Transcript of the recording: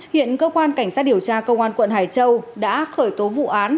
hiện cơ quan cảnh sát điều tra công an quận hải châu đã khởi tố vụ án